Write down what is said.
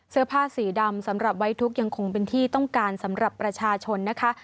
เสื้อผ้าสีดำสำหรับไว้ทุกข์ยังคงเป็นที่ต้องการสำหรับประชาชนนะคะ